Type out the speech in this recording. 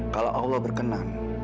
kalau allah berkenan